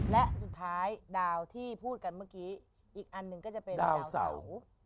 และสุดท้ายดาวที่พูดกันเมื่อกี้อีกอันหนึ่งก็จะเป็นดาวเสา